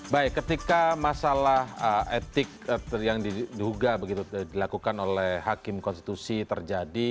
baik ketika masalah etik yang diduga begitu dilakukan oleh hakim konstitusi terjadi